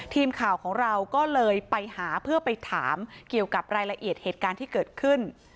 ทีมข่าวของเราก็เลยไปหาเพื่อไปถามเกี่ยวกับรายละเอียดเหตุการณ์ที่เกิดขึ้น